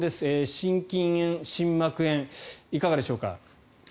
心筋炎、心膜炎いかがでしょうか。